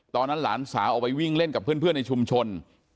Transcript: หลานสาวออกไปวิ่งเล่นกับเพื่อนในชุมชน